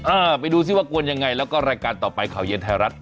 เออไปดูซิว่ากวนยังไงแล้วก็รายการต่อไปข่าวเย็นไทยรัฐ